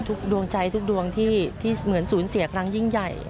ดวงใจทุกดวงที่เหมือนศูนย์เสียครั้งยิ่งใหญ่